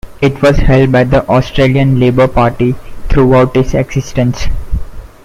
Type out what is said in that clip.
It was held by the Australian Labor Party throughout its existence.